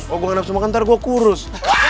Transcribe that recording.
kalau gue ga nafsu makan ntar gue kurus